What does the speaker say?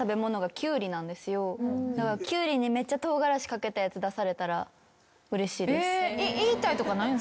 キュウリにめっちゃ唐辛子かけたやつ出されたらうれしいです。